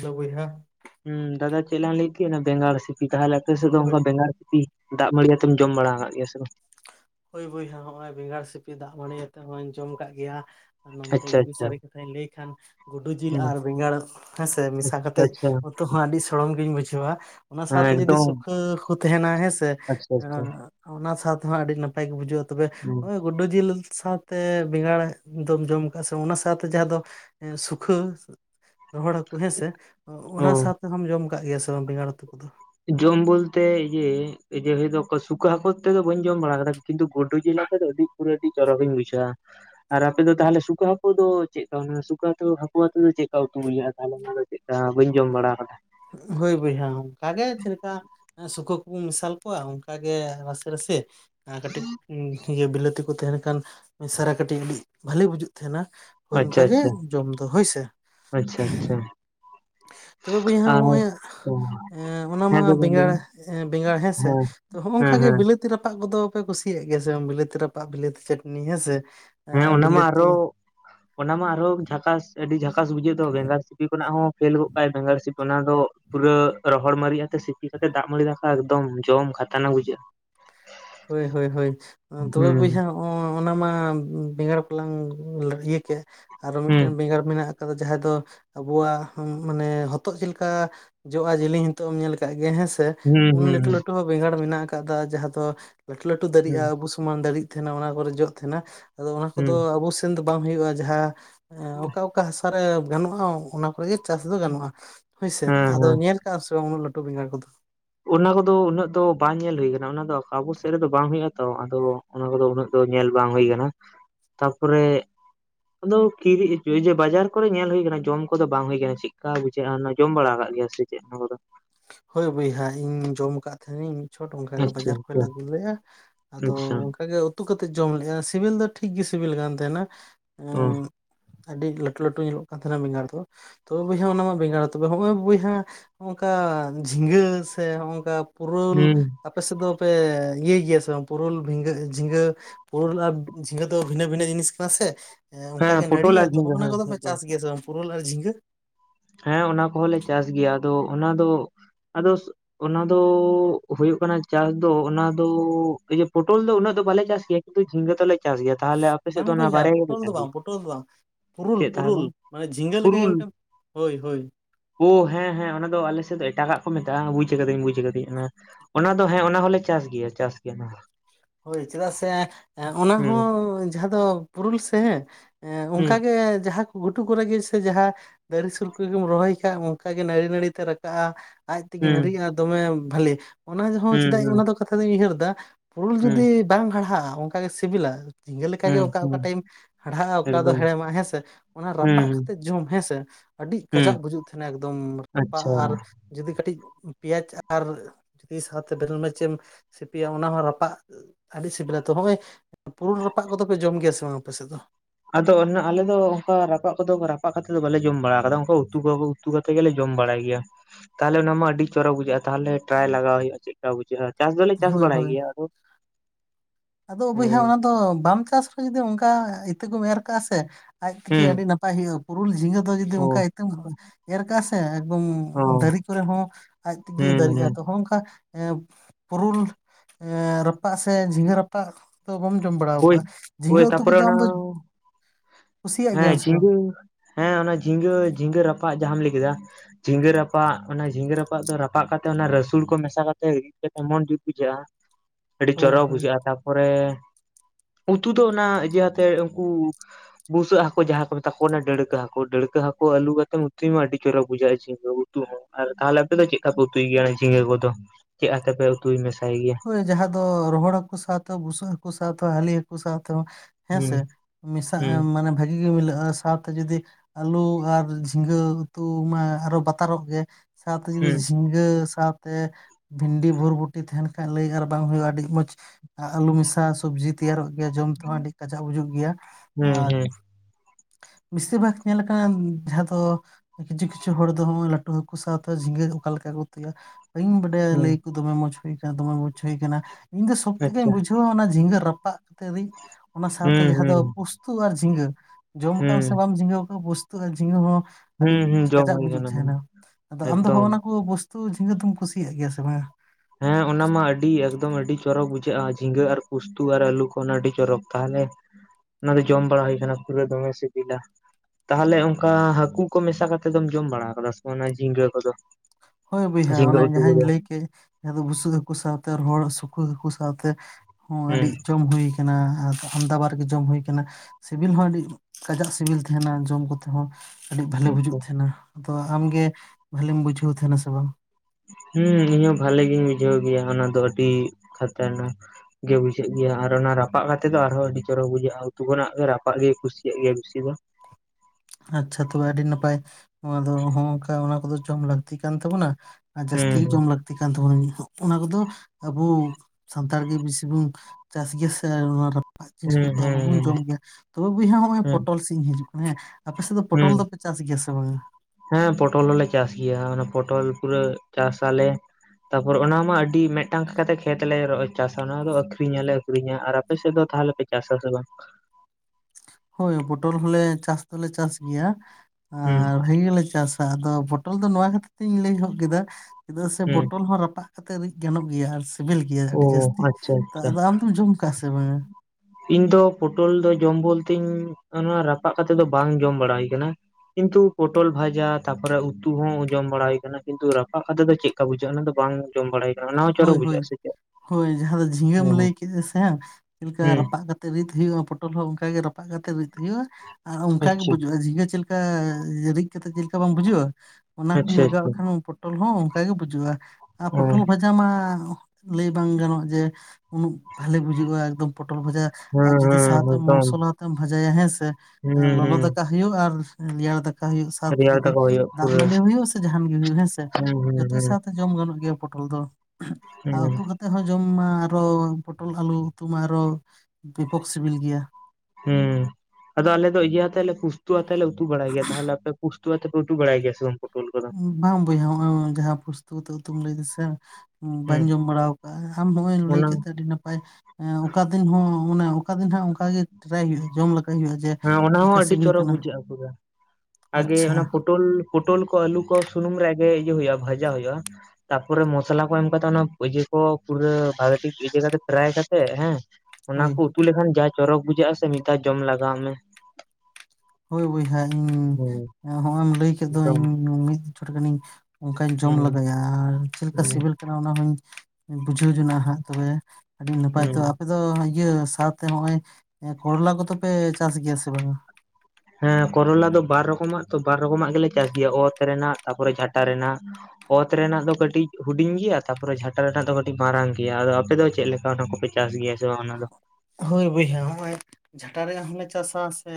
ᱫᱚ ᱵᱚᱭᱦᱟ ᱦᱩᱸ ᱫᱟᱫᱟ ᱪᱮᱫ ᱞᱟᱝ ᱞᱟᱹᱭ ᱠᱮᱫ ᱚᱱᱟ ᱵᱮᱝᱜᱟᱲ ᱥᱤᱯᱤ ᱛᱟᱦᱚᱞᱮ ᱟᱯᱮ ᱥᱮᱫ ᱦᱳᱭ ᱚᱱᱠᱟ ᱵᱮᱸᱜᱟᱲ ᱥᱤᱯᱤᱼᱼ ᱫᱟᱜ ᱢᱟᱹᱲᱤᱭᱟᱛᱮᱢ ᱡᱚᱢ ᱵᱟᱲᱟ ᱟᱠᱟᱜ ᱜᱮᱭᱟ ᱥᱮ ᱵᱟᱝ? ᱦᱳᱭ ᱵᱚᱭᱦᱟ ᱦᱚᱜ-ᱚᱭ ᱵᱮᱸᱜᱟᱲ ᱥᱤᱯᱤ ᱫᱟᱜ ᱢᱟᱹᱲᱤ ᱟᱛᱮᱜ ᱦᱚᱧ ᱡᱚᱢ ᱠᱟᱜ ᱜᱮᱭᱟ ᱟᱨ ᱱᱚᱱᱛᱮ ᱟᱪᱪᱷᱟ ᱡᱩᱫᱤ ᱟᱪᱪᱷᱟ ᱥᱟᱹᱨᱤ ᱠᱟᱛᱷᱟᱼᱼ ᱞᱟᱹᱭ ᱠᱷᱟᱱ ᱜᱩᱰᱩ ᱡᱤᱞ ᱦᱩᱸ ᱟᱨ ᱵᱮᱸᱜᱟᱲ ᱦᱮᱸᱥᱮ ᱢᱮᱥᱟ ᱠᱟᱛᱮᱫ ᱟᱪᱪᱷᱟ ᱩᱛᱩ ᱦᱚᱸ ᱟᱹᱰᱤᱼᱼ ᱫᱚᱢ ᱜᱤᱧ ᱵᱩᱡᱷᱟᱹᱣᱟ ᱚᱱᱟ ᱦᱮᱸ ᱥᱟᱶᱛᱮ ᱡᱩᱫᱤ ᱮᱠᱫᱚᱢ ᱥᱩᱠᱟᱹ ᱠᱚ ᱛᱟᱦᱮᱱᱟ ᱦᱮᱸᱥᱮᱼᱼ ᱟᱪᱪᱷᱟ ᱟᱪᱪᱷᱟ ᱚᱱᱟ ᱥᱟᱶ ᱛᱮᱦᱚᱸ ᱟᱹᱰᱤ ᱱᱟᱯᱟᱭ ᱜᱮ ᱵᱩᱡᱷᱟᱹᱜᱼᱟ ᱛᱚᱵᱮᱼᱼ ᱦᱩᱸ ᱱᱚᱜᱼᱚᱭ ᱜᱩᱰᱩ ᱡᱤᱞ ᱥᱟᱶᱛᱮ ᱵᱮᱸᱜᱟᱲ ᱫᱚᱢ ᱡᱚᱢ ᱟᱠᱟᱜ ᱥᱮ, ᱚᱱᱟ ᱥᱟᱶᱛᱮ ᱡᱟᱦᱟᱸ ᱫᱚ ᱮ ᱥᱩᱠᱷᱟᱹ ᱾ ᱨᱚᱦᱚᱲ ᱦᱟᱠᱩ ᱦᱮᱸᱥᱮ, ᱚ ᱚᱱᱟ ᱥᱟᱶᱛᱮ ᱦᱚᱢ ᱡᱚᱢ ᱠᱟᱜ ᱜᱮᱭᱟ ᱥᱮ ᱵᱟᱝ ᱵᱮᱸᱜᱟᱲ ᱩᱛᱩ ᱠᱚ ᱫᱚ? ᱡᱚᱢ ᱵᱚᱞᱛᱮ ᱤᱭᱮ ᱡᱮ ᱦᱚᱭ [unintelligible] ᱥᱩᱠᱟᱹ ᱦᱟᱹᱠᱚ ᱛᱮ ᱫᱚ ᱵᱟᱹᱧ ᱡᱚᱢ ᱵᱟᱲᱟ ᱠᱟᱫᱟ ᱠᱤᱱᱛᱩ ᱜᱳᱰᱩ ᱡᱮᱞ ᱟᱛᱮ ᱫᱚ ᱟᱹᱰᱤ ᱯᱩᱨᱟᱹ ᱟᱹᱰᱤ ᱪᱚᱨᱚᱠᱤᱧ ᱵᱩᱡᱷᱣᱟ ᱾ ᱟᱨ ᱟᱯᱮ ᱫᱚ ᱛᱟᱦᱚᱞᱮ ᱥᱩᱠᱟ ᱦᱟᱹᱠᱩ ᱫᱚ ᱪᱮᱫᱠᱟ ᱥᱩᱠᱟ ᱦᱟᱹᱠᱩ ᱦᱟᱹᱠᱩᱣᱛᱮ ᱫᱚ ᱪᱮᱫᱠᱟ ᱩᱛᱩ ᱵᱩᱡᱷᱟᱹᱜᱼᱟ ᱛᱟᱦᱞᱮ? ᱪᱮᱫᱠᱟ ᱵᱟᱹᱧ ᱡᱚᱢ ᱵᱟᱲᱟ ᱟᱠᱟᱫᱟ ᱾ ᱦᱩᱭ ᱵᱚᱭᱦᱟ ᱚᱱᱠᱟᱜᱮ ᱪᱮᱫ ᱞᱮᱠᱟ ᱦᱮᱸ ᱥᱩᱠᱟᱹ ᱠᱚᱵᱚᱱ ᱢᱮᱥᱟᱞ ᱠᱚᱣᱟ ᱚᱱᱠᱟ ᱜᱮ ᱨᱟᱥᱮ ᱨᱟᱥᱮ ᱾ ᱟᱨ ᱠᱟᱹᱴᱤᱡ ᱵᱤᱞᱟᱹᱛᱤ ᱠᱚ ᱛᱟᱦᱮᱱ ᱠᱷᱟᱱ ᱢᱮᱥᱟ ᱨᱮ ᱠᱟᱹᱴᱤᱡ ᱟᱹᱰᱤ ᱵᱷᱟᱞᱤ ᱵᱩᱡᱩᱜ ᱛᱟᱦᱮᱱᱟ ᱾ ᱦᱳᱭ ᱟᱪᱪᱷᱟ ᱚᱱᱠᱟᱜᱮ ᱟᱪᱪᱷᱟ ᱡᱚᱢ ᱫᱚ ᱦᱳᱭᱥᱮ ᱾ ᱟᱪᱪᱷᱟ ᱟᱪᱪᱷᱟ ᱛᱚᱵᱮ ᱵᱚᱭᱦᱟ ᱟᱨ ᱦᱚᱜᱼᱚᱭ ᱦᱮᱸ ᱚᱱᱟᱢᱟ ᱫᱟᱫᱟ ᱵᱮᱸᱜᱟᱲ ᱞᱟᱹᱭ ᱢᱮ ᱵᱮᱸᱜᱟᱲ ᱦᱮᱸᱥᱮ ᱦᱮᱸ ᱛᱚ ᱦᱚᱜᱼᱚᱝᱠᱟ ᱦᱮᱸ ᱜᱮ ᱦᱮᱸ ᱵᱤᱞᱟᱹᱛ ᱵᱤᱞᱟᱹᱛᱤ ᱨᱟᱯᱟᱜ ᱠᱚᱫᱚᱯᱮ ᱠᱩᱥᱤᱭᱟᱜ ᱜᱮᱭᱟ ᱥᱮ ᱵᱟᱝ? ᱵᱤᱞᱟᱹᱛᱤ ᱨᱟᱯᱟᱜ ᱵᱤᱞᱟᱹᱛᱤ ᱪᱟᱹᱴᱱᱤ ᱦᱮᱸ ᱥᱮ ᱾ ᱦᱮᱸ ᱚᱱᱟᱢᱟ ᱟᱨᱚ ᱚᱱᱟᱢᱟ ᱟᱨᱚ ᱡᱷᱟᱠᱟᱥ ᱟᱹᱰᱤ ᱡᱷᱟᱠᱟᱥ ᱵᱩᱡᱷᱟᱹᱜ ᱫᱚ ᱵᱮᱸᱜᱟᱨ ᱥᱤᱯᱤ ᱠᱷᱱᱟᱜ ᱦᱚᱸ ᱯᱷᱮᱞ ᱜᱚᱫ ᱠᱟᱜ-ᱟᱭ ᱵᱮᱸᱜᱟᱲ ᱥᱤᱯ ᱚᱱᱟ ᱫᱚ ᱯᱩᱨᱟᱹ ᱨᱚ ᱨᱚᱦᱚᱲ ᱢᱟᱨᱤᱡ ᱟᱛᱮ ᱥᱤᱯᱤ ᱠᱟᱛᱮᱮᱫ ᱫᱟᱜ ᱢᱟᱹᱲᱤ ᱫᱟᱠᱟ ᱮᱠᱫᱚᱢ ᱡᱚᱢ ᱠᱷᱟᱛᱟᱨᱱᱟ ᱵᱩᱡᱷᱟᱹᱜᱼᱟ ᱾ ᱦᱳᱭ ᱦᱳᱭ ᱦᱳᱭ ᱛᱚᱵᱮ ᱦᱩᱸ ᱵᱚᱭᱦᱟ ᱚᱸ ᱚᱱᱟ ᱢᱟ ᱵᱮᱸᱜᱟᱲ ᱠᱚᱞᱟᱝ ᱤᱭᱟᱹ ᱠᱮᱫ ᱟᱨᱚ ᱦᱩᱸ ᱢᱤᱫᱴᱮᱱ ᱵᱮᱸᱜᱟᱲ ᱢᱮᱱᱟᱜ ᱠᱟᱫᱟ ᱡᱟᱦᱟᱸ ᱫᱚ ᱟᱵᱚᱣᱟᱜ ᱢᱟᱱᱮ ᱦᱚᱛᱚᱫ ᱪᱮᱫ ᱞᱮᱠᱟ ᱡᱚᱜᱼᱟ, ᱡᱤᱞᱤᱧ ᱦᱚᱛᱚᱜ ᱮᱢ ᱧᱮᱞ ᱟᱠᱟᱜ ᱜᱮᱭᱟ ᱦᱮᱸᱥᱮ ᱾ ᱦᱩᱸ ᱩᱱ ᱦᱩᱸ ᱞᱟᱹᱴᱩ ᱦᱩᱸ ᱞᱟᱹᱴᱩ ᱦᱚᱸ ᱵᱮᱸᱜᱟᱲ ᱢᱮᱱᱟᱜ ᱟᱠᱟᱫᱟ ᱡᱟᱦᱟᱸ ᱫᱚ ᱞᱟᱹᱴᱩ ᱞᱟᱹᱴᱩ ᱫᱟᱨᱤᱜᱼᱟ ᱦᱩᱸ ᱟᱵᱩ ᱥᱚᱢᱟᱱ ᱫᱟᱲᱮᱜ ᱛᱟᱦᱮᱱᱟ ᱚᱱᱟ ᱠᱚᱨᱮ ᱡᱚᱜ ᱛᱟᱦᱮᱱᱟ, ᱟᱫᱚ ᱚᱱᱟ ᱠᱚᱫᱚ ᱦᱩᱸ ᱟᱵᱚ ᱥᱮᱱ ᱫᱚ ᱵᱟᱝ ᱦᱩᱭᱩᱜᱼᱟ ᱡᱟᱦᱟᱸ ᱚᱠᱟ ᱚᱠᱟ ᱦᱟᱥᱟ ᱨᱮ ᱜᱟᱱᱚᱜᱼᱟ ᱚᱱᱟ ᱠᱚᱨᱮ ᱜᱮ ᱪᱟᱥ ᱫᱚ ᱜᱟᱱᱚᱜᱼᱟ ᱦᱳᱭᱥᱮ ᱦᱮᱸ ᱟᱫᱚ ᱦᱮᱸ ᱧᱮᱞ [unintelligible] ᱩᱱᱟᱹᱜ ᱞᱟᱹᱴᱩ ᱵᱮᱸᱜᱟᱲ ᱠᱚᱫᱚ ᱾ ᱚᱱᱟ ᱠᱚᱫᱚ ᱩᱱᱟᱹᱜ ᱫᱚ ᱵᱟᱝ ᱧᱮᱞ ᱦᱩᱭ ᱟᱠᱟᱱᱟ ᱚᱱᱟ ᱫᱚ ᱟᱵᱚ ᱥᱮᱫ ᱨᱮᱫᱚ ᱵᱟᱝ ᱦᱳᱜᱼᱟ ᱛᱚ ᱟᱫᱚ ᱚᱱᱟ ᱠᱚᱫᱚ ᱩᱱᱟᱹᱜ ᱫᱚ ᱧᱮᱞ ᱵᱟᱝ ᱦᱩᱭ ᱟᱠᱟᱱᱟ, ᱛᱟᱯᱚᱨᱮ ᱟᱫᱚ ᱠᱤᱨᱤᱮ ᱵᱟᱡᱟᱨ ᱠᱚᱨᱮ ᱧᱮᱞ ᱦᱩᱭᱩ ᱠᱟᱱᱟ ᱡᱚᱢ ᱠᱚᱫᱚ ᱵᱟᱝ ᱦᱩᱭ ᱟᱠᱟᱱᱟ ᱾ ᱪᱮᱫ ᱞᱮᱠᱟ ᱵᱩᱡᱷᱟᱹᱜᱼᱟ ᱡᱚᱢ ᱵᱟᱲᱟ ᱟᱠᱟᱫ ᱜᱮᱭᱟ ᱥᱮ [unintelligible] ᱦᱳᱭ ᱵᱚᱭᱦᱟ ᱤᱧ ᱡᱚᱢ ᱟᱠᱟᱫ ᱛᱟᱦᱮᱱ ᱤᱧ ᱾ ᱪᱷᱚᱴ ᱚᱱᱠᱟ ᱜᱮ ᱟᱪᱪᱷᱟ ᱵᱟᱡᱟᱨ ᱠᱷᱚᱡ ᱟᱪᱪᱷᱟ ᱞᱮ ᱟᱹᱜᱩ ᱞᱮᱜᱼᱟ ᱟᱫᱚ ᱟᱪᱪᱷᱟ ᱚᱱᱠᱟ ᱜᱮ ᱩᱛᱩ ᱠᱟᱛᱮᱫ ᱡᱚᱢ ᱞᱮᱫᱼᱟ ᱾ ᱥᱤᱵᱤᱞ ᱫᱚ ᱴᱷᱤᱠ ᱜᱮ ᱥᱤᱵᱤᱞ ᱠᱟᱱ ᱛᱟᱦᱮᱱᱟ, ᱚ ᱟᱹᱰᱤ ᱞᱟᱹᱴᱩ ᱞᱟᱹᱴᱩ ᱧᱮᱞᱚᱜ ᱠᱟᱱ ᱛᱟᱦᱮᱱᱟ ᱵᱮᱸᱜᱟᱲ ᱫᱚ ᱾ ᱛᱚᱵᱮ ᱵᱚᱭᱦᱟ ᱚᱱᱟ ᱢᱟ ᱵᱮᱸᱜᱟᱲ ᱛᱚᱵᱮ ᱦᱚᱸᱜ-ᱚᱭ ᱵᱚᱭᱦᱟ ᱦᱚᱜ-ᱚᱝᱠᱟ ᱡᱷᱤᱸᱜᱟᱹ ᱥᱮ ᱱᱚᱜᱼᱚᱝᱠᱟ ᱯᱩᱨᱟᱹᱞ ᱦᱩᱸ ᱟᱯᱮ ᱥᱮᱫ ᱫᱚ ᱯᱮ ᱤᱭᱟᱹᱭ ᱜᱮᱭᱟ ᱥᱮ ᱵᱟᱝ ᱯᱩᱨᱚᱞ ᱡᱷᱤᱸᱜᱟᱹ ᱡᱷᱤᱸᱜᱟᱹ ᱯᱩᱨᱚᱞ ᱟᱨ ᱡᱷᱤᱸᱜᱟᱹ ᱫᱚ ᱵᱷᱤᱱᱟᱹ ᱵᱷᱤᱱᱟᱹ ᱡᱤᱱᱤᱥ ᱠᱟᱱᱟ ᱥᱮ ᱦᱮᱸ ᱚᱱᱠᱟ ᱜᱮ ᱯᱚᱴᱚᱞ ᱱᱟᱲᱤᱜᱼᱟ ᱟᱨ ᱛᱚ ᱡᱷᱤᱸᱜᱟᱹ ᱚᱱᱟ ᱦᱮᱸ ᱠᱚᱫᱚ ᱯᱮ ᱮᱠᱫᱚᱢ ᱪᱟᱥ ᱜᱮᱭᱟ ᱥᱮ ᱵᱟᱝ ᱯᱩᱨᱟᱹᱞ, ᱟᱨ ᱡᱷᱤᱸᱜᱟᱹ, ᱦᱮᱸ ᱚᱱᱟ ᱠᱚᱦᱚᱸᱞᱮ ᱪᱟᱥ ᱜᱮᱭᱟ ᱟᱫᱚ ᱚᱱᱟ ᱫᱚ ᱟᱫᱚ ᱚᱱᱟ ᱫᱚ ᱦᱩᱭᱩᱜ ᱠᱟᱱᱟ ᱪᱟᱥ ᱫᱚ ᱚᱱᱟ ᱫᱚ ᱮ ᱯᱚᱴᱚᱞ ᱫᱚ ᱩᱱᱟᱹᱜ ᱫᱚ ᱵᱟᱞᱮ ᱪᱟᱥ ᱜᱮᱭᱟ᱾ ᱡᱷᱤᱝᱜᱟ ᱫᱚ ᱞᱮ ᱵᱟᱝ ᱵᱚᱭᱦᱟ ᱯᱚᱴᱚᱞ ᱫᱚ ᱵᱟᱝ ᱜᱮᱭᱟ ᱯᱚᱴᱚᱞ ᱫᱚ ᱵᱟᱝ ᱯᱩᱨᱩᱞ ᱪᱮᱫ ᱯᱩᱨᱩᱞ ᱛᱟᱦᱚᱞᱮ ᱢᱟᱱᱮ ᱡᱷᱤᱸᱜᱟᱹ ᱞᱮᱠᱟ ᱜᱮ ᱯᱩᱨᱩᱞ ᱢᱤᱫ ᱴᱮᱱ ᱦᱳᱭ ᱦᱳᱭ ᱦᱮᱸ ᱦᱮᱸ ᱚᱱᱟᱫᱚ ᱟᱞᱮ ᱥᱮᱫ ᱫᱚ ᱮᱴᱟᱜᱟᱜ ᱠᱚ ᱢᱮᱛᱟᱜᱼᱟ᱾ ᱵᱩᱡ ᱟᱠᱟᱫᱟᱹᱧ ᱵᱩᱡ ᱟᱠᱟᱫᱟᱹᱧ ᱚᱱᱟ ᱚᱱᱟ ᱫᱚ ᱦᱮᱸ ᱚᱱᱟ ᱦᱚᱞᱮ ᱪᱟᱥ ᱜᱮᱭᱟ ᱪᱟᱥ ᱜᱮᱭᱟ᱾ ᱦᱳᱭ ᱪᱮᱫᱟᱜ ᱥᱮ ᱚᱱᱟ ᱦᱚᱸ ᱡᱟᱦᱟᱸ ᱫᱚ ᱯᱩᱨᱩᱞ ᱥᱮᱼᱼ ᱚᱱᱠᱟ ᱦᱩᱸ ᱜᱮ ᱡᱟᱦᱟᱸᱼᱼ ᱜᱷᱩᱴᱩ ᱠᱚᱨᱮ ᱜᱮ ᱥᱮ ᱡᱟᱦᱟᱸ ᱫᱟᱨᱮ ᱥᱩᱨ ᱠᱚᱨᱮ ᱜᱮᱢ ᱨᱚᱦᱚᱭ ᱠᱷᱟᱡ ᱚᱱᱠᱟᱜᱮ ᱱᱟᱹᱲᱤ ᱱᱟᱹᱲᱤ ᱛᱮ ᱨᱟᱠᱟᱵᱼᱟ᱾ ᱟᱡ ᱛᱮᱜᱤ ᱦᱩᱸ ᱱᱟᱲᱤᱜᱼᱟ ᱫᱚᱢᱮ ᱵᱷᱟᱹᱞᱤ ᱚᱱᱟᱦᱚᱸ ᱦᱩᱸ ᱪᱮᱫᱟᱜ ᱚᱱᱟ ᱦᱩᱸ ᱫᱚ ᱠᱟᱛᱷᱟ ᱫᱚᱧ ᱩᱭᱦᱟᱹᱨ ᱮᱟᱼᱼ ᱯᱩᱨᱩᱞ ᱦᱩᱸ ᱡᱩᱫᱤ ᱵᱟᱝ ᱵᱟᱲᱦᱟᱜᱼᱟ ᱚᱱᱠᱟ ᱜᱮ ᱥᱤᱵᱤᱞᱟ ᱡᱤᱸᱜᱟᱹ ᱞᱮᱠᱟ ᱜᱮ ᱦᱩᱸ ᱦᱩᱸ ᱚᱠᱟ ᱚᱠᱟ ᱦᱩᱸ ᱴᱟᱭᱤᱢᱼᱼ ᱦᱟᱲᱦᱟᱜᱼᱟ ᱚᱠᱟ ᱫᱚ ᱮᱠᱫᱚᱢ ᱦᱮᱲᱮᱢᱟ ᱦᱮᱸ ᱥᱮ, ᱚᱱᱟ ᱦᱩᱸ ᱨᱟᱯᱟᱜ ᱦᱩᱸ ᱠᱟᱛᱮᱫ ᱡᱚᱢ ᱦᱮᱸᱥᱮ ᱟᱹᱰᱤ ᱠᱟᱡᱟᱜ ᱦᱩᱸ ᱵᱩᱡᱩᱜ ᱛᱟᱦᱮᱸᱱᱟ ᱮᱠᱫᱚᱢ ᱨᱟᱯᱟᱜ ᱟᱪᱪᱷᱟ ᱟᱨᱼᱼ ᱡᱩᱫᱤ ᱠᱟᱹᱴᱤᱡ ᱯᱮᱸᱭᱟᱡᱽ ᱟᱨ ᱡᱩᱫᱤ ᱥᱟᱶᱛᱮ ᱵᱮᱨᱮᱞ ᱢᱟᱨᱤᱪ ᱮᱢ ᱥᱤᱯᱤᱭᱟ ᱚᱱᱟ ᱦᱚᱸ ᱨᱟᱯᱼᱼ ᱨᱟᱯᱟᱜ ᱟᱹᱰᱤ ᱥᱤᱵᱤᱞᱟ ᱛᱚ ᱱᱚᱜᱼᱚᱭ ᱯᱩᱨᱩᱞ ᱨᱟᱯᱟᱜ ᱠᱚᱫᱚ ᱯᱮ ᱡᱚᱢ ᱜᱮᱭᱟ ᱥᱮ ᱵᱟᱝ ᱟᱯᱮ ᱥᱮᱫ ᱫᱚ? ᱟᱫᱚ ᱟᱞᱮ ᱫᱚ ᱚᱱᱠᱟ ᱨᱟᱯᱟᱜ ᱠᱚᱫᱚ ᱨᱟᱯᱟᱜ ᱠᱟᱛᱮᱫ ᱫᱚ ᱵᱟᱞᱮ ᱡᱚᱢ ᱵᱟᱲᱟ ᱟᱠᱟᱫᱟ ᱚᱱᱠᱟ ᱩᱛᱩ ᱠᱚᱼᱼ ᱩᱛᱩ ᱠᱟᱛᱮᱫ ᱜᱮᱞᱮ ᱡᱚᱢ ᱵᱟᱲᱟᱭ ᱜᱮᱭᱟ ᱛᱟᱦᱚᱞᱮ ᱚᱱᱟ ᱢᱟ ᱟᱹᱰᱤ ᱪᱚᱨᱚᱠ ᱵᱩᱡᱷᱟᱹᱜᱼᱟ ᱛᱟᱦᱚᱞᱮ ᱴᱨᱟᱭ ᱞᱟᱜᱟᱣ ᱦᱩᱭᱩᱜᱼᱟ ᱪᱮᱫᱼᱼ ᱵᱩᱡᱷᱟᱹᱜᱼᱟ ᱪᱟᱥ ᱫᱚ ᱞᱤᱧ ᱪᱟᱥ ᱦᱳᱭ ᱵᱟᱲᱟᱭ ᱦᱳᱭ ᱜᱮᱭᱟ ᱟᱫᱚᱼᱼ ᱟᱫᱚ ᱵᱚᱭᱦᱟ ᱚᱱᱟ ᱫᱚ ᱵᱟᱢ ᱪᱟᱥᱟ ᱡᱩᱫᱤ ᱚᱱᱠᱟ ᱤᱛᱟᱹ ᱠᱚᱢ ᱮᱨ ᱠᱟᱜᱼᱟ ᱥᱮ ᱟᱡ ᱛᱮᱜᱮ ᱦᱮᱸ ᱟᱹᱰᱤ ᱱᱟᱯᱟᱭᱼᱼ ᱯᱟᱭ ᱦᱩᱭᱩᱜᱼᱟ ᱯᱩᱨᱩᱞ ᱡᱷᱤᱸᱜᱟᱹ ᱫᱚ ᱡᱩᱫᱤ ᱚ ᱚᱱᱠᱟ ᱤᱛᱟᱹᱢᱼᱼ ᱮᱨ ᱠᱟᱜᱼᱟ ᱥᱮ ᱮᱠᱫᱚᱢ ᱚ ᱫᱟᱨᱮ ᱠᱚᱨᱮ ᱦᱚᱸ ᱟᱡ ᱛᱮᱜᱮ ᱦᱮᱸ ᱫᱟᱨᱮᱜᱼᱟ ᱦᱮᱸ ᱛᱚ ᱦᱚᱸᱚᱝ ᱠᱟᱼᱼ ᱯᱩᱨᱩᱞ ᱨᱟᱯᱟᱜ ᱥᱮ ᱡᱷᱤᱸᱜᱟᱹ ᱨᱟᱯᱟᱜ, ᱛᱚ ᱵᱟᱢ ᱡᱚᱢ ᱵᱟᱲᱟ ᱦᱳᱭ ᱟᱠᱟᱫᱟ ᱡᱷᱤᱸᱜᱟᱹ ᱦᱳᱭ ᱩᱛᱩ ᱛᱟᱯᱚᱨᱮ ᱠᱚᱫᱚ ᱚᱱᱟ ᱟᱢ ᱫᱚ ᱠᱩᱥᱤᱭᱟᱜ ᱦᱮᱸ ᱜᱮᱭᱟᱢ ᱥᱮ ᱵᱟᱝ? ᱡᱷᱤᱸᱜᱟᱹ ᱦᱮᱸ ᱚᱱᱟ ᱡᱷᱤᱸᱜᱟᱹ ᱡᱷᱤᱸᱜᱟᱹ ᱨᱟᱯᱟᱜ ᱡᱟᱦᱟᱸᱢ ᱞᱟᱹᱭ ᱠᱮᱫᱟ ᱡᱷᱤᱸᱜᱟᱹ ᱨᱟᱯᱟᱜ ᱚᱱᱟ ᱡᱷᱤᱸᱜᱟᱹ ᱨᱟᱯᱟᱜ ᱫᱚ ᱨᱟᱯᱟᱜ ᱠᱟᱛᱮ ᱚᱱᱟ ᱨᱟᱹᱥᱩᱱ ᱠᱚ ᱢᱮᱥᱟ ᱠᱟᱛᱮ ᱨᱤᱫ ᱠᱟᱛᱮ ᱢᱚᱸᱡᱽ ᱜᱮ ᱵᱩᱡᱷᱟᱹᱜᱼᱟ᱾ ᱟᱹᱰᱤ ᱦᱳᱭ ᱪᱚᱨᱚᱠ ᱦᱳᱭ ᱵᱩᱡᱷᱟᱹᱜᱼᱟ ᱛᱟᱨ ᱯᱚᱨᱮᱼᱼ ᱩᱛᱩ ᱫᱚ ᱚᱱᱟ ᱤᱭᱟᱹ ᱟᱛᱮᱫ ᱩᱱᱠᱩᱼᱼ ᱵᱩᱥᱟᱹᱜ ᱦᱟᱹᱠᱩ ᱡᱟᱦᱟᱸ ᱠᱚ ᱢᱮᱛᱟ ᱠᱚ ᱠᱟᱱᱟ ᱰᱟᱟᱹᱲᱠᱟᱹ ᱦᱟᱹᱠᱩ ᱰᱟᱹᱲᱠᱟᱹ ᱦᱟᱹᱠᱩ ᱟᱹᱞᱩ ᱠᱟᱛᱮ ᱩᱛᱩᱭ ᱢᱟ ᱟᱹᱰᱤ ᱪᱚᱨᱚᱠ ᱵᱩᱡᱷᱟᱹᱜᱼᱟ ᱡᱷᱤᱸᱜᱟᱹᱼᱼ ᱩᱛᱩ ᱦᱚᱸ ᱟᱨ ᱛᱟᱦᱚᱞᱮ ᱟᱯᱮ ᱫᱚ ᱪᱮᱫ ᱞᱮᱠᱟᱯᱮ ᱩᱛᱩᱭ ᱜᱮᱭᱟ ᱡᱷᱤᱸᱜᱟᱹ ᱠᱚᱫᱚ ᱪᱮᱫ ᱟᱛᱮᱯᱮ ᱩᱛᱩᱭ ᱢᱮᱥᱟᱭ ᱜᱮᱭᱟ᱾ ᱡᱟᱦᱟᱸ ᱫᱚ ᱨᱚᱦᱚᱲ ᱦᱟᱹᱠᱩ ᱥᱟᱶᱛᱮ ᱵᱩᱥᱟᱹᱜ ᱦᱟᱹᱠᱩ ᱥᱟᱶᱛᱮ ᱦᱚᱸ ᱦᱟᱹᱞᱤ ᱦᱟᱹᱠᱩ ᱥᱟᱶᱛᱮᱼᱼ ᱦᱩᱸ ᱦᱮᱸᱥᱮ ᱦᱩᱸ ᱢᱮᱱᱟᱜᱼᱟ ᱢᱟᱱᱮ ᱵᱷᱟᱹᱜᱤ ᱜᱮ ᱢᱤᱞᱟᱹᱜᱼᱟ ᱥᱟᱶᱛᱮ ᱡᱩᱫᱤ, ᱟᱹᱞᱩ ᱟᱨ ᱡᱷᱤᱸᱜᱟᱹ ᱩᱛᱩ ᱢᱟ ᱟᱨᱚ ᱵᱟᱛᱟᱨᱚᱜ ᱜᱮᱼᱼ ᱥᱟᱶᱛᱮ ᱡᱩᱫᱤ ᱦᱩᱸ ᱡᱷᱤᱸᱜᱟᱹ ᱥᱟᱶᱛᱮ ᱵᱷᱤᱱᱰᱤ ᱵᱷᱚᱨ ᱵᱩᱴᱤ ᱛᱟᱦᱮᱸᱱ ᱠᱷᱟᱱ ᱠᱷᱟᱡ ᱞᱟᱹᱭ ᱟᱨ ᱵᱟᱝ ᱦᱩᱭᱩᱜᱼᱟ ᱟᱹᱰᱤ ᱢᱚᱸᱡᱽ ᱟᱞᱩ ᱢᱮᱥᱟ ᱥᱚᱵᱽᱡᱤᱼᱼ ᱛᱮᱭᱟᱨᱚᱜ ᱜᱮᱭᱟ ᱡᱚᱢ ᱛᱮᱦᱚᱸ ᱟᱹᱰᱤ ᱠᱟᱡᱟᱠ ᱵᱩᱡᱩᱜ ᱜᱮᱭᱟ ᱦᱩᱸ ᱟᱨᱼᱼ ᱦᱩᱸ ᱵᱤᱥᱤᱨ ᱵᱷᱟᱜᱽ ᱧᱮᱞ ᱠᱟᱱᱟ ᱡᱟᱦᱟᱸ ᱫᱚ, ᱠᱤᱪᱷᱩ ᱠᱤᱪᱷᱩ ᱦᱚᱲ ᱫᱚ ᱞᱟᱹᱴᱩ ᱦᱟᱹᱠᱩ ᱥᱟᱣᱛᱮ ᱦᱚᱸ ᱡᱷᱤᱸᱜᱟᱹ ᱚᱠᱟ ᱞᱮᱠᱟ ᱠᱚ ᱩᱛᱩᱭᱟ ᱵᱟᱹᱧ ᱵᱟᱼᱼ ᱦᱩᱸ ᱞᱟᱹᱭ ᱠᱚ ᱫᱚᱢᱮ ᱢᱚᱸᱡᱽ ᱦᱩᱭ ᱟᱠᱟᱱᱟ ᱫᱚᱢᱮ ᱢᱚᱡᱽ ᱦᱩᱭᱭᱟ ᱟᱠᱟᱱᱟ ᱤᱧ ᱫᱚ ᱥᱚᱵ ᱛᱷᱠᱮᱧ ᱟᱪᱪᱷᱟ ᱵᱩᱡᱷᱟᱹᱣᱟ ᱚᱱᱟ ᱡᱷᱤᱸᱜᱟᱹ ᱨᱟᱯᱟᱜᱼᱼ ᱚᱱᱟ ᱥᱟᱶᱛᱮ ᱦᱩᱸ ᱡᱟᱦᱟᱸ ᱫᱚ ᱦᱩᱸ ᱯᱩᱚᱥᱛᱩ ᱟᱨ ᱡᱷᱤᱸᱜᱟᱹ ᱡᱚᱢ ᱟᱠᱟᱜ ᱟᱢ ᱦᱩᱸ ᱥᱮ ᱵᱟᱝ ᱡᱷᱤᱸᱜᱟᱹ ᱩᱛᱩ ᱯᱚᱥᱛᱩᱼᱼ ᱡᱷᱤᱸᱜᱟᱹ ᱦᱚᱸ ᱟᱹᱰᱤ ᱦᱩᱸ ᱦᱩᱸ ᱡᱚᱢ ᱠᱟᱡᱟᱠ ᱦᱩᱭ ᱵᱩᱡᱩᱜ ᱠᱟᱱᱟ ᱦᱩᱸ ᱛᱟᱦᱮᱸᱱᱟ ᱟᱫᱚ ᱟᱢ ᱫᱚ ᱦᱚᱜ ᱮᱠᱫᱚᱢ ᱚᱱᱟ ᱠᱚ ᱵᱚᱥᱼᱼ ᱛᱩ ᱡᱷᱤᱸᱜᱟᱹ ᱫᱚᱢ ᱠᱩᱥᱤᱭᱟᱜ ᱜᱮᱭᱟ ᱥᱮ ᱵᱟᱝ? ᱦᱮᱸ ᱚᱱᱟ ᱢᱟ ᱟᱹᱰᱤᱼᱼ ᱮᱠᱫᱚᱢ ᱟᱹᱰᱤ ᱪᱚᱨᱚᱠ ᱵᱩᱡᱷᱟᱹᱜᱼᱟ ᱡᱷᱤᱸᱜᱟᱹ ᱟᱨ ᱯᱩᱥᱛᱩ ᱟᱨ ᱟᱹᱞᱩ ᱠᱚ ᱚᱱᱟ ᱟᱹᱰᱤ ᱪᱚᱨᱚᱠ ᱛᱟᱦᱚᱞᱮᱼᱼ ᱚᱱᱟ ᱫᱚ ᱡᱚᱢ ᱵᱟᱲᱟ ᱦᱩᱭ ᱟᱠᱟᱱᱟ ᱯᱩᱨᱟᱹ ᱫᱚᱢᱮ ᱥᱤᱵᱤᱞᱟ᱾ ᱛᱟᱦᱚᱞᱮ ᱚᱱᱠᱟ ᱦᱟᱹᱠᱩ ᱠᱚ ᱢᱮᱥᱟ ᱠᱟᱛᱮᱜ ᱫᱚᱢ ᱡᱚᱢ ᱵᱟᱲᱟ ᱟᱠᱟᱫᱟ ᱥᱮ ᱡᱷᱤᱸᱜᱟᱹ ᱠᱚᱫᱚ᱾ ᱦᱳᱭ ᱵᱚᱭᱦᱟ ᱡᱷᱤᱸᱜᱟᱹ ᱚᱱᱮ ᱩᱛᱩ ᱡᱟᱦᱟᱸᱧ ᱠᱚᱫᱚ ᱞᱟᱹᱭ ᱠᱮᱫ ᱡᱟᱦᱟᱸ ᱫᱚ ᱵᱩᱥᱩᱵ ᱦᱟᱹᱠᱩ ᱥᱟᱶᱛᱮ ᱲᱚᱦᱚᱲ ᱥᱩᱠᱟᱹ ᱦᱟᱹᱠᱩ ᱥᱟᱶᱛᱮ, ᱦᱚᱸ ᱦᱩᱸ ᱟᱹᱰᱤ ᱡᱚᱢ ᱦᱩᱭ ᱠᱟᱱᱟ ᱟᱢᱫᱟ ᱵᱟᱨᱜᱮ ᱡᱚᱢ ᱦᱩᱭ ᱠᱟᱱᱟᱼᱼ ᱥᱤᱵᱤᱞ ᱦᱚᱸ ᱟᱹᱰᱤ ᱠᱟᱡᱟᱜ ᱥᱤᱵᱤᱞ ᱛᱟᱦᱮᱱᱟ ᱡᱚᱢ ᱠᱚᱛᱮ ᱦᱚᱸᱼᱼ ᱟᱹᱰᱤ ᱵᱷᱟᱞᱤ ᱵᱩᱡᱩᱜ ᱛᱟᱦᱮᱱᱟ ᱟᱫᱚ ᱟᱢᱜᱮ ᱵᱷᱷᱟᱞᱤᱢ ᱵᱩᱡᱷᱟᱹᱣ ᱛᱟᱦᱮ ᱱᱟ ᱥᱮ ᱵᱟᱝ? ᱦᱩᱸ ᱤᱧᱦᱚᱸ ᱵᱷᱟᱹᱞᱤ ᱜᱤᱧ ᱵᱩᱡᱷᱟᱹᱣ ᱜᱮᱭᱟ ᱚᱱᱟ ᱫᱚ ᱟᱹᱰᱤ ᱠᱷᱟᱛᱟᱨ ᱱᱟᱠᱷ ᱜᱮ ᱵᱩᱡᱷᱟᱹᱜ ᱜᱮᱭᱟ ᱟᱨ ᱚᱱᱟ ᱨᱟᱯᱟᱜ ᱠᱟᱛᱮᱫ ᱫᱚ ᱟᱨᱦᱚᱸ ᱟᱹᱰᱤ ᱪᱚᱨᱚᱠ ᱵᱩᱡᱷᱟᱹᱜᱼᱟ ᱩᱛᱩ ᱠᱷᱚᱱᱟᱜ ᱜᱮ ᱨᱟᱯᱟᱜ ᱜᱮ ᱠᱩᱥᱤᱭᱟᱜ ᱜᱮᱭᱟ ᱵᱤᱥᱤ ᱫᱚ ᱾ ᱟᱪᱪᱷᱟ ᱛᱚᱵᱮ ᱟᱹᱰᱤ ᱱᱟᱯᱟᱭ ᱱᱚᱣᱟᱫᱚ ᱦᱚᱚᱝᱠᱟ ᱚᱱᱟ ᱠᱚ ᱫᱚ ᱡᱚᱢ ᱞᱟᱹᱠᱛᱤ ᱠᱟᱱ ᱛᱟᱵᱚᱱᱟ᱾ ᱟᱨ ᱦᱩᱸ ᱡᱟᱹᱥᱛᱤ ᱡᱚᱢ ᱞᱟᱹᱠᱛᱤ ᱠᱟᱱ ᱛᱟᱵᱚᱱᱟ ᱚᱱᱟ ᱠᱚᱫᱚ ᱟᱵᱚ ᱥᱟᱱᱛᱟᱲ ᱜᱮ ᱵᱮᱥᱤ ᱵᱚᱱ ᱪᱟᱥ ᱜᱮᱭᱟ ᱥᱮ ᱨᱟᱯᱟᱜ ᱡᱤᱱᱤᱥ ᱦᱩᱸ ᱠᱚᱫᱚ ᱟᱵᱚ ᱵᱚᱱ ᱦᱩᱸ ᱡᱚᱢ ᱜᱮᱭᱟ ᱛᱚᱵᱮ ᱵᱚᱭᱦᱟ ᱦᱚᱸᱜᱚᱭ ᱦᱩᱸ ᱯᱚᱴᱚᱞ ᱥᱤᱡᱤᱱ ᱦᱤᱡᱩᱜ ᱠᱟᱱᱟ ᱦᱮᱸ ᱟᱯᱮ ᱥᱮᱫ ᱫᱚ ᱦᱩᱸ ᱯᱚᱴᱚᱞ ᱫᱚᱯᱮ ᱪᱟᱥ ᱜᱮᱭᱟ ᱥᱮ ᱵᱟᱝᱼᱟ? ᱦᱮᱸ ᱯᱚᱴᱚᱞ ᱦᱚᱞᱮ ᱪᱟᱥ ᱜᱮᱭᱟ ᱚᱱᱟ ᱯᱚᱴᱚᱞ ᱯᱩᱨᱟᱹ ᱪᱟᱥ ᱟᱞᱮ ᱛᱟᱯᱚᱨ ᱚᱱᱟᱢᱟ ᱟᱹᱰᱤ ᱢᱤᱫᱴᱟᱝ ᱠᱟᱛᱮᱜ ᱠᱷᱮᱛ ᱞᱮ ᱨᱮ ᱪᱟᱥᱟ ᱚᱱᱟ ᱫᱚ ᱟᱹᱠᱷᱨᱤᱧ ᱦᱚᱞᱮ ᱟᱹᱠᱷᱨᱤᱧᱟ ᱟᱨ ᱟᱯᱮ ᱥᱮᱫ ᱫᱚ ᱛᱟᱦᱚᱞᱮ ᱯᱮ ᱪᱟᱥ ᱟᱥᱮ ᱵᱟᱝ? ᱦᱳᱭ ᱯᱚᱴᱚᱞ ᱦᱚᱞᱮ ᱪᱟᱥ ᱫᱚᱞᱮ ᱪᱟᱥ ᱜᱮᱭᱟ ᱦᱩᱸ ᱟᱨ ᱵᱷᱟᱹᱜᱤ ᱜᱮᱞᱮ ᱪᱟᱥ ᱟᱫᱚ ᱵᱚᱴᱚᱞ ᱫᱚ ᱱᱚᱣᱟ ᱠᱷᱟᱹᱛᱤᱨ ᱛᱤᱧ ᱞᱟᱹᱭ ᱦᱚᱫ ᱠᱮᱫᱟ ᱪᱮᱫᱟᱜ ᱥᱮ ᱦᱩᱸ ᱵᱚᱴᱚᱞ ᱦᱚᱸ ᱨᱟᱯᱟᱜ ᱠᱟᱛᱮᱫ ᱨᱤᱫ ᱜᱟᱱᱚᱜ ᱜᱮᱭᱟ ᱟᱨ ᱥᱤᱵᱤᱞ ᱜᱮᱭᱟ ᱚ ᱟᱹᱰᱤ ᱡᱟᱹᱥᱛᱤ ᱟᱪᱪᱷᱟ ᱛᱚ ᱟᱪᱪᱷᱟ ᱟᱫᱚ ᱟᱢᱫᱚᱢ ᱡᱚᱢ ᱠᱟᱜᱼᱟ ᱥᱮ ᱵᱟᱝᱼᱟ? ᱤᱧ ᱫᱚ ᱯᱚᱴᱚᱞ ᱫᱚ ᱡᱚᱢ ᱵᱚᱞᱛᱮᱧ ᱚᱱᱟ ᱨᱟᱯᱟᱜ ᱠᱟᱛᱮᱜ ᱫᱚ ᱵᱟᱝ ᱡᱚᱢ ᱵᱟᱲᱟ ᱦᱩᱭ ᱠᱟᱱᱟ ᱠᱤᱱᱛᱩ ᱯᱚᱴᱚᱞ ᱵᱷᱟᱡᱟ ᱛᱟᱯᱚᱨᱮ ᱩᱛᱩ ᱦᱚᱸ ᱡᱚᱢ ᱵᱟᱲᱟ ᱦᱩᱭ ᱠᱟᱱᱟ ᱠᱤᱱᱛᱩ ᱨᱟᱯᱟᱜ ᱠᱟᱛᱮᱜ ᱫᱚ ᱪᱮᱫ ᱞᱮᱠᱟ ᱵᱩᱡᱷᱟᱹᱜ ᱚᱱᱟ ᱫᱚ ᱵᱟᱝ ᱡᱚᱢ ᱵᱟᱲᱟ ᱦᱩᱭ ᱠᱟᱱᱟ ᱚᱱᱟ ᱦᱚᱸ ᱦᱳᱭ ᱪᱚᱨᱚᱠ ᱵᱩᱡᱷᱟᱹᱜᱼᱟ ᱦᱳᱭ ᱥᱮ ᱪᱮᱫ ᱦᱳᱭ ᱡᱟᱦᱟᱸ ᱫᱚ ᱡᱷᱤᱸᱜᱟᱹᱢ ᱞᱟᱹᱭ ᱦᱩᱸ ᱠᱮᱜ ᱪᱮᱫ ᱟᱥᱮ ᱵᱟᱝ ᱪᱮᱫ ᱞᱮᱠᱟ ᱨᱟᱯᱟᱜ ᱠᱟᱛᱮᱜ ᱨᱤᱫ ᱦᱩᱭᱩᱜᱼᱟ ᱯᱚᱴᱚᱞ ᱦᱚᱸ ᱚᱱᱠᱟ ᱜᱮ ᱨᱟᱯᱟᱜ ᱠᱟᱛᱮᱜ ᱨᱤᱫ ᱦᱩᱭᱩᱜᱼᱟ ᱟᱨ ᱚᱱᱠᱟ ᱜᱮ ᱟᱪᱪᱷᱟ ᱵᱩᱡᱩᱜᱼᱟ ᱡᱷᱤᱸᱜᱟᱹ ᱪᱮᱫ ᱞᱮᱠᱟ ᱨᱤᱫ ᱠᱟᱛᱮᱜ ᱵᱟᱝ ᱵᱩᱡᱷᱟᱹᱜᱼᱟ ᱚᱱᱟ ᱠᱚᱢ ᱟᱪᱪᱷᱟ ᱞᱟᱜᱟᱣ ᱟᱪᱪᱷᱟ ᱠᱷᱟᱱ ᱯᱚᱴᱚᱞ ᱦᱚᱸ ᱚᱱᱠᱟᱜ ᱜᱮ ᱵᱩᱡᱷᱩᱜᱼᱟ᱾ ᱯᱚᱴᱚᱞ ᱦᱩᱸ ᱵᱷᱟᱡᱟ ᱢᱟ ᱞᱟᱹᱭ ᱵᱟᱝ ᱜᱟᱱᱚᱜ ᱡᱮ ᱩᱱᱟᱹᱜ ᱵᱷᱟᱞᱮ ᱵᱩᱡᱩᱜᱼᱟ ᱮᱠᱫᱚᱢ ᱯᱚᱴᱚᱞ ᱵᱷᱟᱡᱟ ᱦᱩᱸ ᱟᱨ ᱡᱩᱫᱤ ᱦᱩᱸ ᱥᱟᱶᱛᱮ ᱮᱠᱫᱚᱢ ᱢᱚᱥᱞᱟ ᱛᱮᱢ ᱵᱷᱟᱡᱟᱭᱟ ᱦᱮᱸ ᱥᱮ ᱦᱩᱸ ᱞᱚᱞᱚ ᱦᱩᱸ ᱫᱟᱠᱟ ᱦᱩᱭᱩᱜ ᱟᱨ ᱨᱮᱭᱟᱲ ᱫᱟᱠᱟ ᱦᱩᱭᱩᱜ ᱥᱟᱶᱛᱮ ᱨᱮᱭᱟᱲ ᱡᱩᱫᱤ ᱫᱟᱠᱟ ᱦᱩᱭᱩᱜ ᱫᱟᱜ ᱯᱩᱨᱟᱹ ᱢᱟᱹᱰᱤ ᱦᱩᱭᱩᱜ ᱥᱮ ᱡᱟᱦᱟᱱ ᱜᱮ ᱦᱩᱭᱩᱜ ᱦᱮᱸᱥᱮ ᱦᱩᱸ ᱦᱩᱸ ᱡᱚᱛᱚᱡ ᱦᱩᱸ ᱥᱟᱶᱛᱮ ᱡᱚᱢ ᱜᱟᱱᱚᱜ ᱜᱮᱭᱟ ᱯᱚᱴᱚᱞ ᱫᱚ ᱟᱨ ᱦᱩᱸ ᱩᱛᱩ ᱠᱟᱛᱮᱜ ᱛᱮᱦᱚᱸ ᱡᱚᱢ ᱟᱨᱚᱚ ᱯᱚᱴᱚᱞ ᱟᱞᱩ ᱩᱛᱩ ᱢᱟ ᱟᱨᱚ ᱵᱮᱯᱚᱠ ᱥᱤᱵᱤᱞ ᱜᱮᱭᱟ᱾ ᱦᱩᱸ ᱟᱫᱚ ᱟᱞᱮ ᱫᱚ ᱤᱭᱟᱹ ᱟᱛᱮᱜ ᱞᱮ ᱯᱩᱥᱛᱩ ᱟᱛᱮᱜ ᱞᱮ ᱩᱛᱩ ᱵᱟᱲᱟᱭ ᱜᱮᱭᱟ ᱛᱟᱦᱚᱞᱮ ᱟᱯᱮ ᱯᱩᱥ ᱛᱩ ᱟᱛᱮᱜ ᱯᱮ ᱩᱛᱩ ᱵᱟᱲᱟᱭ ᱜᱮᱭᱟ ᱥᱮ ᱵᱟᱝ ᱯᱚᱴᱚᱞ ᱠᱚᱫᱚ? ᱵᱟᱝ ᱵᱚᱭᱦᱟ ᱦᱟᱸᱜᱼᱚᱭ ᱡᱟᱦᱟᱸ ᱯᱚᱥᱛᱩ ᱚᱛᱮᱜ ᱩᱛᱩᱢ ᱞᱟᱹᱭ ᱫᱟᱥᱮ ᱵᱟᱹᱧ ᱦᱩᱸ ᱡᱚᱢ ᱵᱟᱲᱟᱣ ᱠᱟᱜᱼᱟ ᱟᱢ ᱱᱚᱜᱼᱚᱭ ᱮᱢ ᱞᱟᱹᱭ ᱚᱱᱟ ᱠᱮᱫ ᱛᱮ ᱟᱹᱰᱤ ᱱᱟᱯᱟᱭ ᱚᱠᱟ ᱫᱤᱱ ᱦᱚᱸ ᱚᱱᱮ ᱚᱠᱟ ᱫᱤᱱ ᱜᱮ ᱚᱱᱠᱟᱜᱮ ᱴᱮᱨᱟᱭ ᱦᱩᱭᱩᱜᱼᱟ ᱡᱚᱢ ᱞᱮᱠᱟᱭ ᱦᱩᱭᱩᱜᱼᱟ᱾ ᱡᱮ ᱦᱮᱸ ᱚᱱᱟ ᱪᱮᱫ ᱦᱚᱸ ᱞᱮᱠᱟ ᱟᱹᱰᱤ ᱥᱤᱵᱤᱞ ᱪᱚᱨᱚᱠ ᱠᱟᱱᱟ ᱵᱩᱡᱷᱟᱹᱜ ᱯᱩᱨᱟᱹ ᱟᱜᱮ ᱟᱪᱪᱷᱟ ᱚᱱᱟ ᱯᱚᱴᱚᱞ ᱯᱚᱴᱚᱞ ᱠᱚ ᱟᱹᱞᱩ ᱠᱚ ᱥᱩᱱᱩᱢ ᱨᱮ ᱟᱜᱮ ᱤᱭᱟᱹ ᱦᱩᱭᱩᱜᱼᱟ ᱵᱷᱟᱡᱟ ᱦᱩᱭᱩᱜᱼᱟ᱾ ᱛᱟᱯᱚᱨᱮ ᱢᱚᱥᱞᱟ ᱠᱚ ᱮᱢ ᱠᱟᱛᱮᱜ ᱚᱱᱟ ᱤᱭᱟᱹ ᱠᱚ ᱯᱩᱨᱟᱹ ᱵᱷᱟᱜᱤ ᱴᱷᱤᱠ ᱤᱭᱟᱹ ᱠᱟᱛᱮ ᱯᱷᱨᱟᱭ ᱠᱟᱛᱮᱜ ᱦᱮᱸ ᱚᱱᱟ ᱦᱳᱭ ᱠᱚ ᱩᱛᱩ ᱞᱮᱠᱷᱟᱱ ᱡᱟ ᱪᱚᱨᱚᱠ ᱵᱩᱡᱷᱟᱹᱜᱼᱟ ᱥᱮ ᱢᱤᱫ ᱫᱷᱟᱣ ᱡᱚᱢ ᱞᱟᱜᱟᱣ ᱢᱮ ᱦᱳᱭ ᱵᱚᱭᱦᱟ ᱤᱧ ᱦᱮᱸ ᱱᱚᱜᱼᱚᱭ ᱮᱢ ᱞᱟᱹᱭ ᱠᱮᱫ ᱫᱚ ᱮᱠᱫᱚᱢ ᱤᱧ ᱢᱤᱫ ᱪᱷᱚᱴ ᱜᱟᱱᱤᱧ ᱚᱱᱠᱟᱧ ᱡᱚᱢ ᱦᱩᱸ ᱞᱮᱜᱟᱭᱟ ᱟᱨ ᱪᱮᱫᱠᱟ ᱦᱩᱸ ᱥᱤᱵᱤᱞ ᱚᱱᱟ ᱦᱚᱸᱧ ᱵᱩᱡᱷᱟᱹᱣ ᱡᱚᱱᱚᱜ ᱦᱟᱜ ᱛᱚᱵᱮ ᱟᱹᱰᱤ ᱱᱟᱯᱟᱭ ᱛᱚ ᱦᱩᱸ ᱟᱯᱮ ᱟᱫᱚ ᱤᱭᱟᱹ ᱥᱟᱶᱛᱮ ᱱᱚᱜᱼᱚᱭ ᱠᱚᱨᱚᱞᱟ ᱠᱚᱫᱚ ᱯᱮ ᱪᱟᱥ ᱜᱮᱭᱟ ᱥᱮ ᱵᱟᱝᱼᱟ? ᱦᱮᱸ ᱠᱚᱨᱚᱞᱟ ᱫᱚ ᱵᱟᱨ ᱨᱚᱠᱚᱢᱟᱜ ᱛᱚ ᱵᱟᱨ ᱨᱚᱠᱚᱢᱟᱜ ᱜᱮᱞᱮ ᱪᱟᱥ ᱜᱮᱭᱟ ᱚᱛ ᱨᱮᱱᱟᱜ ᱛᱟᱨᱯᱚᱨᱮ ᱡᱷᱟᱴᱟ ᱨᱮᱱᱟᱜ ᱚᱛ ᱨᱮᱱᱟᱜ ᱫᱚ ᱠᱟᱹᱴᱤᱡ ᱦᱩᱰᱤᱧ ᱜᱮᱭᱟ ᱛᱟᱯᱚᱨᱮ ᱡᱷᱟᱴᱟ ᱨᱮᱱᱟᱜ ᱫᱚ ᱠᱟᱹᱴᱤᱡ ᱢᱟᱨᱟᱝ ᱜᱮᱭᱟ ᱟᱫᱚ ᱟᱯᱮ ᱫᱚ ᱪᱮᱫ ᱞᱮᱠᱟ ᱚᱱᱟ ᱠᱚᱯᱮ ᱪᱟᱥ ᱜᱮᱭᱟ ᱥᱮ ᱵᱟᱝ ᱚᱱᱟ ᱫᱚ? ᱦᱳᱭ ᱵᱚᱭᱦᱟ ᱦᱚᱸᱜᱼᱚᱭ ᱡᱷᱟᱴᱟ ᱨᱮᱭᱟᱜ ᱦᱚᱸᱞᱮ ᱪᱟᱥᱟ ᱥᱮ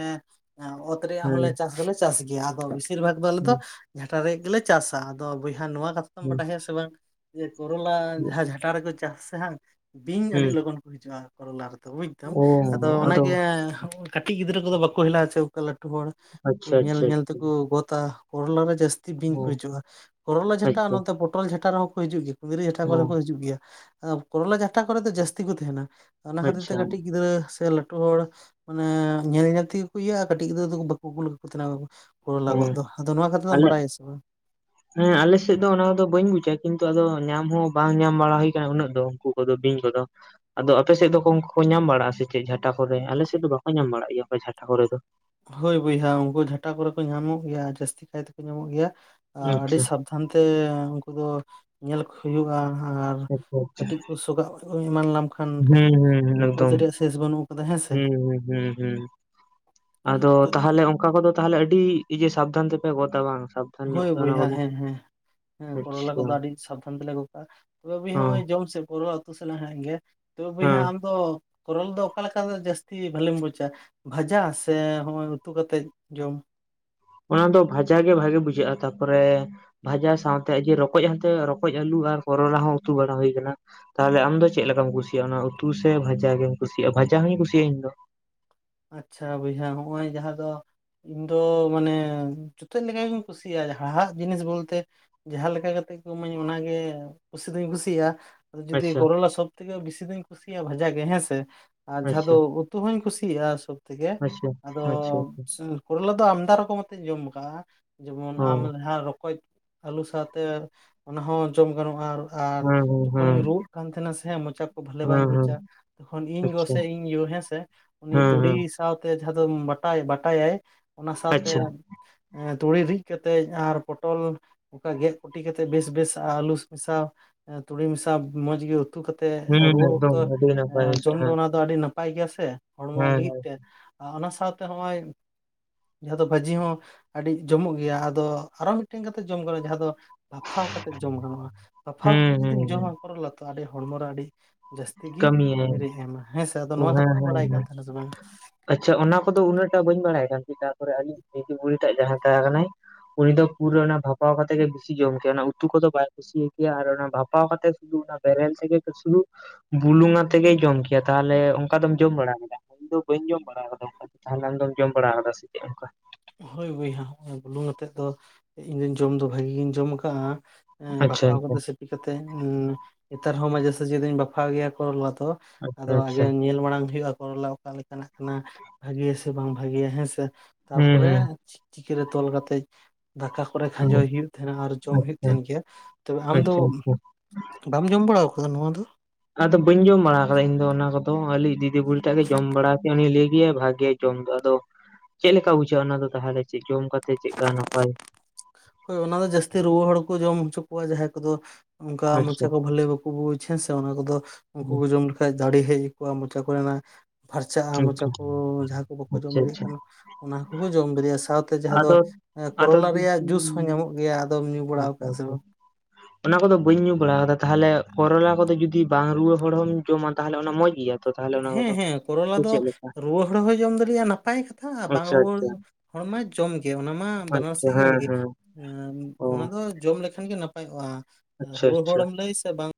ᱚᱛ ᱨᱮᱭᱟᱜ ᱦᱚᱸᱞᱮ ᱦᱮᱸ ᱪᱟᱥ ᱫᱚᱞᱮ ᱪᱟᱥ ᱜᱮᱭᱟ ᱟᱫᱚ ᱵᱮᱥᱤᱨ ᱵᱷᱟᱜ ᱫᱚ ᱟᱞᱮ ᱫᱚ ᱦᱮᱸ ᱡᱷᱟᱴᱟ ᱨᱮᱭᱟᱜ ᱜᱮᱞᱮ ᱪᱟᱥᱟ ᱟᱫᱚ ᱵᱚᱭᱦᱟ ᱱᱚᱣᱟ ᱠᱟᱛᱷᱟ ᱫᱚᱢ ᱦᱮᱸ ᱵᱟᱰᱟᱭᱟ ᱥᱮ ᱵᱟᱝ ᱡᱮ ᱠᱚᱨᱚᱞᱟ ᱡᱟᱦᱟᱸ ᱡᱷᱟᱴᱟ ᱨᱮᱠᱚ ᱪᱟᱥᱟ ᱥᱮ ᱦᱟᱝ ᱵᱤᱧ ᱟᱹᱰᱤ ᱦᱩᱸ ᱞᱚᱜᱚᱱ ᱠᱚ ᱦᱤᱡᱩᱜᱼᱟ ᱠᱚᱨᱚᱞᱟ ᱨᱮᱫᱚ ᱵᱩᱡ᱾ ᱚ ᱟᱫᱚ ᱚᱱᱟᱜᱮ ᱠᱟᱹᱴᱤᱡ ᱜᱤᱫᱽᱨᱟᱹ ᱠᱚᱫᱚ ᱵᱟᱠᱚ ᱦᱮᱞᱟ ᱟ ᱪᱮ ᱚᱠᱟ ᱞᱟᱹᱴᱩ ᱛᱩ ᱦᱚᱲ ᱠᱚ ᱟᱪᱪᱷᱟ ᱧᱮᱞ ᱟᱪᱪᱷᱟ ᱧᱮᱞ ᱟᱪᱪᱷᱟ ᱛᱮᱠᱚ ᱚᱜᱚᱫᱟ ᱠᱚᱨᱚᱞᱟ ᱨᱮ ᱡᱟᱹᱥ ᱵᱤᱧ ᱚ ᱠᱚ ᱦᱤᱡᱩᱜᱼᱟ ᱠᱚᱨᱚᱞᱟ ᱡᱷᱟᱴᱟ ᱟᱪᱪᱷᱟ ᱟᱨ ᱯᱚᱴᱚᱞ ᱡᱷᱟᱴᱟ ᱨᱮᱦᱚᱸ ᱦᱤᱡᱩᱜ ᱜᱮᱭᱟ ᱠᱩᱸᱫᱽᱨᱤ ᱡᱷᱟᱴᱟ ᱚ ᱠᱚᱨᱮ ᱦᱚᱸ ᱠᱚ ᱦᱤᱡᱩᱜ ᱜᱮᱭᱟ ᱾ ᱟᱸ ᱠᱚᱨᱚᱞᱟ ᱡᱷᱟᱴᱟ ᱠᱚᱨᱮ ᱫᱚ ᱡᱟᱹᱥᱛᱤ ᱠᱚ ᱛᱟᱦᱮᱸᱱᱟ, ᱚᱱᱟ ᱠᱷᱟᱹᱛᱤᱨ ᱛᱮ ᱟᱪᱪᱷᱟ ᱠᱟᱹᱴᱤᱡ ᱜᱤᱫᱽᱨᱟᱹ ᱥᱮ ᱞᱟᱹᱴᱩ ᱦᱚᱲ ᱢᱟᱱᱮ ᱧᱮᱞ ᱧᱮᱞ ᱛᱮᱜᱮ ᱠᱩ ᱤᱭᱟᱜᱼᱟ ᱠᱟᱹᱴᱤᱡ ᱜᱤᱫᱽᱨᱟᱹ ᱫᱚᱠᱚ ᱵᱟᱠᱚ ᱠᱩᱞ ᱟᱠᱚ ᱛᱟᱦᱮᱸᱱᱟ ᱟᱹᱠᱩ ᱠᱚᱨᱚᱞᱟ ᱜᱚᱫᱽ ᱚ ᱫᱚ, ᱟᱫᱚ ᱱᱚᱶᱟ ᱠᱟᱛᱷᱟ ᱫᱚᱢ ᱟᱞᱮ ᱵᱟᱰᱟᱭ ᱟᱥᱮ ᱵᱟᱝ? ᱦᱮᱸ ᱟᱞᱮ ᱥᱮᱫ ᱫᱚ ᱚᱱᱟ ᱫᱚ ᱵᱟᱹᱧ ᱵᱩᱡᱽᱼᱟ ᱠᱤᱱᱛᱩ ᱟᱫᱚ ᱧᱟᱢ ᱦᱚᱸ ᱵᱟᱝ ᱧᱟᱢ ᱵᱟᱲᱟ ᱦᱩᱭ ᱟᱠᱟᱱᱟ ᱩᱱᱟᱹᱜ ᱫᱚ ᱩᱸᱠᱩ ᱠᱚᱫᱚ ᱵᱤᱧ ᱠᱚᱫᱚ? ᱟᱫᱚ ᱟᱯᱮ ᱥᱮᱫ ᱫᱚ ᱠᱚᱝ ᱠᱚᱠᱚ ᱧᱟᱢ ᱵᱟᱲᱟᱜᱼᱟ ᱥᱮ ᱪᱮᱫ ᱡᱷᱟᱴᱟ ᱠᱚᱨᱮ, ᱟᱞᱮ ᱥᱮᱫ ᱫᱚ ᱵᱟᱠᱚ ᱧᱟᱢ ᱵᱟᱲᱟᱜ ᱜᱮᱭᱟ ᱠᱚ ᱡᱷᱟᱴᱟ ᱠᱚᱨᱮ ᱫᱚ᱾ ᱦᱳᱭ ᱵᱚᱭᱦᱟ ᱩᱸᱠᱩ ᱡᱷᱟᱴᱟ ᱠᱚᱨᱮ ᱠᱚ ᱧᱟᱢᱚᱜ ᱜᱮᱭᱟ ᱡᱟᱹᱥᱛᱤ ᱠᱟᱭ ᱛᱮᱠᱚ ᱧᱟᱢᱚᱜ ᱜᱮᱭᱟ ᱟᱨ ᱟᱹᱰᱤ ᱟᱪᱪᱷᱟ ᱥᱟᱵᱽ ᱫᱷᱟᱱ ᱛᱮ ᱩᱱᱠᱩ ᱫᱚ ᱧᱮᱞ ᱠᱚ ᱦᱩᱭᱩᱜᱼᱟ ᱟᱨ ᱟᱪᱪᱷᱟ ᱟᱪᱪᱷᱟ ᱠᱟᱹᱴᱤᱡ ᱠᱚ ᱥᱚᱠᱟᱜ ᱚᱡ- ᱚ ᱮᱢᱟᱱ ᱞᱟᱢ ᱠᱷᱟᱱ ᱦᱩᱸ ᱠᱟᱹᱴᱤᱡ ᱦᱩᱸ ᱵᱤᱯᱚᱫᱽ ᱨᱮᱭᱟᱜ ᱥᱮᱥ ᱵᱟᱹᱱᱩᱜ ᱟᱠᱟᱫᱟ ᱦᱮᱸᱥᱮ, ᱦᱚᱭ ᱦᱩᱸ, ᱦᱩᱸ ᱟᱫᱚ ᱛᱚ ᱛᱟᱦᱚᱞᱮ ᱚᱸᱠᱟ ᱠᱚᱫᱚ ᱛᱟᱦᱮᱞᱮ ᱟᱹᱰᱤ ᱤᱭᱟᱹ ᱥᱟᱵᱽ ᱫᱷᱟᱱ ᱛᱮᱯᱮ ᱜᱚᱫᱟ ᱵᱟᱝ ᱥᱟᱵᱽ- ᱦᱚᱭ ᱵᱚᱭᱦᱟ ᱦᱮᱸ ᱦᱮᱸ ᱦᱮᱸ᱾ ᱦᱮᱸ ᱟᱪᱪᱷᱟ ᱠᱚᱨᱚᱞᱟ ᱠᱚᱫᱚ ᱟᱹᱰᱤ ᱥᱟᱵᱽ ᱫᱷᱟᱱ ᱛᱮᱞᱮ ᱜᱚᱜᱽ-ᱟ, ᱛᱚᱵᱮ ᱵᱚᱭᱦᱟ ᱚ ᱦᱚᱸᱜ-ᱚᱭ ᱡᱚᱢ ᱥᱮ ᱠᱚᱨᱚᱞᱟ ᱛᱩ ᱥᱟᱞᱟ ᱦᱟᱸᱜ ᱜᱮ, ᱛᱚᱵᱮ ᱵᱚᱭᱦᱟ ᱦᱮᱸ ᱟᱢ ᱫᱚ ᱠᱚᱨᱚᱞ ᱫᱚ ᱚᱠᱟ ᱞᱮᱠᱟ ᱛᱮ ᱡᱟᱹᱥᱛᱤ ᱵᱷᱟᱞᱮᱢ ᱵᱩᱡᱽᱼᱟ? ᱵᱷᱟᱡᱟ ᱥᱮ ᱦᱚᱸᱜᱼᱚᱭ ᱩᱛᱩ ᱠᱟᱛᱮᱫ ᱡᱚᱢ? ᱚᱱᱟ ᱫᱚ ᱵᱷᱟᱡᱟ ᱜᱮ ᱵᱷᱟᱹᱜᱤ ᱵᱩᱡᱷᱟᱹᱜᱼᱟ ᱛᱟᱯᱚᱨᱮ, ᱵᱷᱟᱡᱟ ᱥᱟᱶᱛᱮ ᱤᱡᱽᱼᱮ ᱨᱚᱠᱚᱡ ᱦᱚᱸᱛᱚ ᱨᱚᱠᱚᱡ ᱟᱞᱩ ᱟᱨ ᱠᱚᱨᱚᱞᱟ ᱦᱚᱸ ᱩᱛᱩ ᱵᱟᱲᱟ ᱦᱩᱭ ᱟᱠᱟᱱᱟ ᱾ ᱛᱟᱦᱚᱞᱮ ᱟᱢ ᱫᱚ ᱪᱮᱫ ᱞᱮᱠᱟᱢ ᱠᱩᱥᱤᱭᱟᱜᱼᱟ, ᱚᱱᱟ ᱩᱛᱩ ᱥᱮ ᱵᱷᱟᱡᱟ ᱜᱮᱢ ᱠᱩᱥᱤᱭᱟᱜᱼᱟ ᱵᱷᱟᱡᱟ ᱦᱩᱧ ᱠᱩᱥᱤᱭᱟᱜᱼᱟ ᱤᱧ ᱫᱚ ᱾ ᱟᱪᱪᱷᱟ ᱵᱚᱭᱦᱟ ᱦᱚᱸᱜᱼᱚᱭ ᱡᱟᱦᱟᱸ ᱫᱚ ᱤᱧ ᱫᱚ ᱢᱟᱱᱮ ᱪᱚᱛᱚᱫ ᱞᱮᱠᱟ ᱜᱤᱧ ᱠᱩᱥᱤᱭᱟᱜᱼᱟ, ᱡᱟᱦᱟᱸ ᱦᱟᱲᱦᱟᱜ ᱡᱤᱱᱤᱥ ᱵᱚᱞᱛᱮ ᱡᱟᱦᱟᱸ ᱞᱮᱠᱟ ᱠᱟᱛᱮᱜ ᱠᱚ ᱮᱢᱟᱹᱧ ᱚᱱᱟᱜᱮ ᱠᱩᱥᱤ ᱫᱩᱧ ᱠᱩᱥᱤᱭᱟᱜᱼᱟ, ᱡᱚᱫᱤ ᱟᱪᱪᱷᱟ ᱠᱚᱨᱚᱞᱟ ᱥᱚᱵ ᱛᱮᱜᱮ ᱵᱮᱥᱤ ᱫᱩᱧ ᱠᱩᱥᱤᱭᱟᱜᱼᱟ ᱵᱷᱟᱡᱟ ᱜᱮ ᱦᱮᱸᱥᱮ, ᱟᱨ ᱡᱟᱦᱟᱸ ᱫᱚ ᱟᱪᱪᱷᱟ ᱩᱛᱩ ᱦᱩᱧ ᱠᱩᱥᱤ- ᱭᱟᱜ-ᱟ ᱥᱚᱵ ᱛᱷᱮᱠᱮ ᱟᱪᱪᱷᱟ ᱟᱫᱚ ᱟᱪᱪᱷᱟ ᱠᱚᱨᱚᱞᱟ ᱫᱚ ᱟᱢᱫᱟ ᱨᱚᱠᱚᱢ ᱟᱛᱮᱧ ᱡᱚᱢ ᱟᱠᱟᱜᱼᱟ ᱡᱮᱢᱚᱱ ᱚ ᱟᱢ ᱞᱟᱦᱟ ᱨᱚᱠᱚᱡ ᱟᱹᱞᱩ ᱥᱟᱶᱛᱮ, ᱚᱱᱟ ᱦᱚᱸ ᱡᱚᱢ ᱜᱟᱱᱚᱜᱼᱟ ᱟᱨ ᱟᱨ ᱦᱮᱸ ᱦᱮᱸ ᱦᱮᱸ ᱡᱚᱠᱷᱚᱱᱤᱧ ᱨᱩᱣᱟᱹᱜ ᱠᱟᱱ ᱛᱟᱦᱮᱸᱱᱟ ᱥᱮ ᱢᱚᱪᱟ ᱠᱚ ᱵᱷᱟᱞᱮ ᱵᱟᱹᱧ ᱦᱮᱸ ᱦᱮᱸ ᱵᱩᱡᱽᱼᱟ ᱮᱠᱷᱚᱱ ᱤᱧ ᱜᱚ ᱟᱪᱪᱷᱟ ᱥᱮ ᱤᱧ ᱤᱭᱳ ᱦᱮᱥᱮ ᱩᱱᱤ ᱦᱮᱸ ᱛᱩᱲᱤ ᱦᱮᱸ ᱥᱟᱶᱛᱮ ᱡᱟᱦᱟᱸ ᱫᱚᱢ ᱵᱟᱴᱟᱭ ᱵᱟᱴᱟ ᱭᱟᱭ ᱚᱱᱟ ᱥᱟᱶᱛᱮ ᱟᱪᱪᱷᱟ ᱮᱸ ᱛᱩᱲᱤ ᱨᱤᱫ ᱠᱟᱛᱮᱡ ᱟᱨ ᱯᱚᱴᱚᱞ ᱚᱠᱟ ᱜᱮᱫ ᱠᱩᱴᱤ ᱠᱟᱛᱮ ᱵᱮᱥ ᱵᱮᱥ ᱟᱹᱞᱩᱥ ᱢᱮᱥᱟᱣ ᱛᱩᱲᱤ ᱢᱮᱥᱟᱣ ᱢᱚᱸᱡᱽ ᱜᱮ ᱩ- ᱛᱩ ᱠᱟᱛᱮᱜ ᱦᱮᱸ ᱨᱩᱣᱟᱹᱜ ᱚᱠᱛᱚ ᱮᱠᱫᱚᱢ ᱟᱹᱰᱤ ᱱᱟᱯᱟᱭ ᱮᱸ ᱡᱚᱢ ᱫᱚ ᱵᱩᱡᱷᱟᱹᱜᱼᱟ ᱚᱱᱟ ᱫᱚ ᱟᱹᱰᱤ ᱱᱟᱯ- ᱯᱟᱭ ᱜᱮᱭᱟ ᱥᱮ ᱦᱚᱲᱢᱚ ᱦᱮᱸ ᱦᱮᱸ ᱞᱟᱹᱜᱤᱫ ᱛᱮ ᱟ ᱚᱱᱟ ᱥᱟᱶᱛᱮ ᱦᱚᱸᱜ-ᱚᱭ ᱡᱟᱦᱟᱸ ᱫᱚ ᱵᱷᱟᱹᱡᱤ ᱦᱚᱸ ᱟᱹᱰᱤ ᱡᱚᱢᱚᱜ ᱜᱮᱭᱟ ᱟᱫᱚ ᱟᱨᱚ ᱢᱤᱫᱴᱮᱱ ᱠᱟᱛᱮ ᱡᱚᱢ ᱜᱟᱲᱚ ᱡᱟᱦᱟᱸ ᱫᱚᱼᱼ ᱵᱟᱯᱷᱟᱣ ᱠᱟᱛᱮᱫ ᱡᱚᱢ ᱜᱟᱱᱚᱜᱼᱟ, ᱵᱟᱯᱷᱟᱣ ᱠᱟᱛᱮᱫ ᱦᱮᱸ ᱡᱩᱫᱤᱢ ᱦᱮᱸ ᱦᱮᱸ ᱡᱚᱢᱟ ᱠᱚᱨᱚᱞᱚᱛᱚ ᱟᱹᱰᱤ ᱦᱚᱲᱢᱚ ᱨᱮ ᱟᱹᱰᱤ ᱡᱟᱹᱥᱛᱤ ᱜᱤ ᱠᱟᱹᱢᱤᱭᱟᱭ ᱠᱟᱹᱢᱤ ᱨᱮ ᱮᱢᱟ ᱦᱮᱸᱥᱮ, ᱟᱫᱚ ᱦᱮᱸ ᱱᱚᱣᱟ ᱦᱮᱸ ᱠᱟᱛᱷᱟ ᱫᱚ ᱵᱟᱰᱟᱭ ᱦᱮᱸ ᱠᱟᱱ ᱛᱟᱦᱮᱸᱱᱟ ᱥᱮ ᱵᱟᱝᱼᱟ? ᱟᱪᱪᱷᱟ ᱚᱱᱟ ᱠᱚᱫᱚ ᱩᱱᱟᱹᱜ ᱴᱟᱜ ᱵᱟᱹᱧ ᱵᱟᱲᱟᱭ ᱠᱟᱱ ᱛᱤ ᱛᱟᱨᱯᱚᱨᱮ ᱟᱹᱞᱤᱧᱼᱤᱡ ᱫᱤᱫᱤ ᱵᱩᱲᱤ ᱴᱟᱜ ᱡᱟᱦᱟᱸ ᱛᱟᱦᱮᱸ ᱠᱟᱱᱟᱭ, ᱩᱱᱤ ᱫᱚ ᱯᱩᱨᱟᱹ ᱚᱱᱟ ᱵᱷᱟᱯᱟᱣ ᱠᱟᱛᱮ ᱜᱮ ᱵᱮᱥᱤ ᱡᱚᱢ ᱠᱮᱭᱟᱭ ᱚᱱᱟ ᱩᱛᱩ ᱠᱚᱫᱚ ᱵᱟᱭ ᱠᱩ- ᱥᱤ ᱠᱮᱭᱟ ᱟᱨ ᱚᱱᱟ ᱵᱷᱟᱯᱟᱣ ᱠᱟᱛᱮ ᱥᱩᱫᱩ ᱚᱱᱟ ᱵᱮᱨᱮᱞ ᱛᱮᱜᱮ ᱠᱚ ᱥᱩᱱᱩᱢ ᱵᱩᱞᱩᱝ ᱟᱛᱮ ᱜᱮ ᱡᱚᱢ ᱠᱮᱭᱟᱭ, ᱛᱟᱦᱮᱞᱮ ᱚᱸᱠᱟ ᱫᱚᱢ ᱡᱚᱢ ᱵᱟᱲᱟ ᱟᱠᱟᱫᱟ [unintelligible] ᱤᱧ ᱫᱚ ᱵᱟᱹᱧ ᱡᱚᱢ ᱵᱟᱲᱟ ᱟᱠᱟᱫᱟ, ᱛᱟᱦᱚᱞᱮ ᱟᱢᱫᱚᱢ ᱡᱚᱢ ᱵᱟᱲᱟ ᱟᱠᱟᱫᱟ ᱥᱮ ᱪᱮᱜ ᱚᱸᱠᱟ? ᱦᱳᱭ ᱵᱚᱭᱦᱟ ᱚᱱᱟ ᱵᱩᱞᱩᱝ ᱟᱛᱮᱫ ᱫᱚ ᱤᱧ ᱫᱩᱧ ᱡᱚᱢ ᱫᱚ ᱵᱷᱟᱹᱜᱤ ᱜᱤᱧ ᱡᱚᱢ ᱟᱠᱟᱜᱼᱟ, ᱮᱸ ᱟᱪᱪᱷᱟ ᱵᱟᱯᱷᱟᱣ ᱟᱪᱪᱷᱟ ᱠᱟᱛᱮ ᱥᱤᱯᱤ ᱠᱟᱛᱮ ᱩᱸ ᱱᱮᱛᱟᱨ ᱦᱚᱸ ᱢᱟ ᱡᱟᱥᱮ ᱡᱤ ᱫᱟᱹᱧ ᱵᱟᱯᱷᱟᱣ ᱜᱮᱭᱟ ᱠᱚ ᱞᱚᱞᱚ ᱣᱟᱛᱚ, ᱟᱪᱪᱷᱟ ᱟᱫᱚ ᱟᱜᱮ ᱟᱪᱪᱷᱟ ᱧᱮᱞ ᱢᱟᱲᱟᱝ ᱦᱩᱭᱩᱜᱼᱟ ᱠᱚᱨᱚᱞᱟᱵᱽ, ᱚᱠᱟ ᱞᱮᱠᱟᱱᱟᱜ ᱠᱟᱱᱟ ᱵᱷᱟᱜᱤᱭᱟ ᱥᱮ ᱵᱟᱝ ᱵᱷᱟᱜᱤᱭᱟ ᱦᱮᱸᱥᱮ ᱦᱩᱸ ᱛᱟᱨᱯᱚᱨᱮᱼᱼ ᱦᱩᱸ ᱪᱤᱠᱤ ᱨᱮ ᱛᱚᱞ ᱠᱟᱛᱮᱜᱼᱼ ᱫᱟᱠᱟ ᱠᱚᱨᱮ ᱠᱷᱟᱸᱡᱚᱭ ᱦᱩᱭᱩᱜ ᱛᱟᱦᱮᱸᱫ ᱟᱨ ᱡᱚᱢ ᱟᱪᱪᱷᱟ ᱦᱩᱭᱩᱜ ᱛᱟᱦᱮᱸᱫ ᱜᱮ ᱛᱚᱵᱮ ᱟᱢ ᱫᱚᱼᱼ ᱟᱪᱪᱷᱟ ᱟᱪᱪᱷᱟ ᱵᱟᱢ ᱡᱚᱢ ᱵᱟᱲᱟ ᱟᱠᱟᱜ-ᱟ ᱱᱚᱣᱟ ᱫᱚ? ᱟᱫᱚ ᱵᱟᱹᱧ ᱡᱚᱢ ᱵᱟᱲᱟ ᱟᱠᱟᱫᱟ ᱤᱧ ᱫᱚ ᱚᱱᱟ ᱠᱚᱫᱚ ᱵᱟ. ᱧ ᱡᱚᱢ ᱵᱟᱲᱟ ᱠᱟᱫ ᱟ ᱤᱧ ᱫᱚ ᱚᱱᱟ ᱠᱚᱫᱚ ᱟᱞᱮ ᱤᱡ ᱫᱤᱫᱤ ᱵᱩᱵᱦᱤ ᱴᱟᱜ ᱜᱮ ᱡᱚᱢ ᱵᱟᱲᱟ ᱠᱮᱭᱟ ᱩᱱᱤᱤᱭ ᱞᱟᱹᱭ ᱜᱮᱭᱟᱭ ᱵᱷᱟᱜᱤ᱾ ᱡᱚᱢ ᱫᱚ ᱟᱫᱚ ᱪᱮᱫ ᱞᱮᱠᱟ ᱵᱩᱡᱷᱟᱹᱜᱼᱟ ᱚᱱᱟ ᱫᱚ ᱛᱟᱦᱚᱞᱮ ᱪᱮᱫ ᱡᱚᱢ ᱠᱟᱛᱮ ᱪᱮᱫ ᱞᱮᱠᱟ ᱱᱟᱯᱟᱭ! ᱦᱳᱭ ᱚᱱᱟ ᱫᱚ ᱡᱟᱹᱥᱛᱤ ᱨᱩᱣᱟᱹ ᱦᱚᱲ ᱠᱚ ᱡᱚᱢ ᱦᱚᱪᱚ ᱠᱚᱣᱟ ᱡᱟᱦᱟᱸᱭ ᱠᱚᱫᱚᱼᱼ ᱚᱱᱠᱟ ᱢᱚᱪᱟ ᱟᱪᱪᱷᱟ ᱠᱚ ᱵᱷᱟᱞᱞᱤ ᱵᱟᱠᱚ ᱵᱪᱮ ᱥᱮ ᱚᱱᱟ ᱠᱚᱫᱚ ᱩᱱᱠᱩ ᱠᱚ ᱡᱚᱢᱼᱼ ᱠᱷᱟᱡ ᱡᱟᱲᱮ ᱦᱮᱡ ᱠᱚᱜᱼᱟ ᱢᱚᱪᱟ ᱠᱚᱨᱮᱱᱟᱜ ᱯᱷᱟᱨᱪᱟᱜᱼᱟ ᱢᱚᱪᱟ ᱠᱚ ᱡᱟᱦᱟᱸ ᱠᱚ ᱵᱟᱠᱚ ᱡᱚᱢ ᱟᱪᱪᱷᱟ ᱫᱟᱲᱮᱭᱟᱜ ᱟᱪᱪᱷᱟ ᱠᱟᱱᱟ᱾ ᱚᱱᱟ ᱠᱚᱦᱚᱸ ᱡᱚᱢ ᱫᱟᱨᱮᱼᱟ ᱥᱟᱶᱛᱮ ᱡᱟᱦᱟᱸ ᱫᱚ ᱟᱫᱚ ᱟᱫᱚ ᱠᱚᱨᱚᱞᱟ ᱨᱮᱭᱟᱜ ᱡᱩᱫᱤ ᱡᱩᱥ ᱦᱚᱸ ᱧᱟᱢᱚᱜ ᱜᱮᱭᱟ᱾ ᱟᱫᱚᱢ ᱧᱩ ᱵᱟᱲᱟ ᱟᱠᱟᱫᱼᱟ ᱥᱮ ᱵᱟᱝ? [inaudible] ᱚᱱᱟ ᱠᱚᱫᱚ ᱵᱟᱹᱧ ᱧᱩ ᱵᱟᱲᱟ ᱟᱠᱟᱫᱟ ᱛᱟᱦᱚᱞᱮ ᱠᱚᱨᱚ ᱠᱚᱫᱚ ᱡᱩᱫᱤ ᱵᱟᱝ ᱨᱩᱣᱟᱹ ᱦᱚᱲ ᱦᱚᱢ ᱡᱚᱢᱟ ᱛᱟᱦᱚᱞᱮ ᱚᱱᱟ ᱢᱚᱸᱡᱽ ᱜᱮᱭᱟ? ᱛᱚ ᱛᱟᱦᱚᱞᱮ ᱚᱱᱟ ᱠᱚᱫᱚ ᱦᱮᱸ ᱦᱮᱸ ᱠᱚᱨᱚᱞᱟ ᱫᱚ ᱪᱮᱫ ᱞᱮᱠᱟ ᱨᱩᱣᱟᱹᱲ ᱦᱚᱲ ᱦᱚᱸᱭ ᱡᱚᱢ ᱫᱟᱲᱮᱭᱟᱜᱼᱟ ᱱᱟᱯᱟᱭ ᱠᱟᱛᱷᱟ ᱵᱟᱝ ᱟᱪᱪᱷᱟ ᱨᱩᱣᱟᱹᱲ? ᱟᱪᱪᱷᱟ ᱦᱚᱲᱢᱟ ᱡᱚᱢ ᱜᱮ ᱚᱱᱟ ᱢᱟ ᱵᱟᱱᱟᱨ ᱟᱪᱪᱷᱟ ᱥᱮᱫ ᱜᱮ ᱦᱮᱸ ᱵᱷᱟᱹᱜᱤ ᱦᱮᱸ ᱚ ᱚᱱᱟ ᱫᱚ ᱡᱚᱢ ᱞᱮᱠᱷᱟᱱ ᱜᱮ ᱱᱟᱯᱟᱭᱚᱜᱼᱟ ᱟᱪᱪᱷᱟ ᱨᱩᱣᱟᱹ ᱟᱪᱪᱷᱟ ᱦᱚᱲᱮᱢ ᱞᱟᱹᱭ ᱥᱮ ᱵᱟᱝᱼᱼ